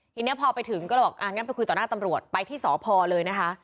ทีนี้พอไปถึงก็เลยบอกอ่างั้นไปคุยต่อหน้าตำรวจไปที่สพเลยนะคะ